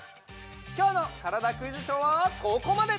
きょうの「からだ☆クイズショー」はここまで。